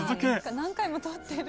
何回も取ってる。